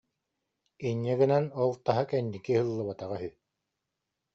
Инньэ гынан ол таһа кэнники ыһыллыбатаҕа үһү